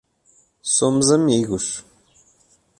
Somos amigos